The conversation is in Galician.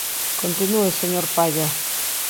Continúe, señor Palla.